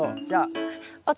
じゃあ。